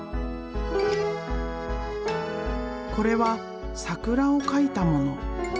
これは桜を描いたもの。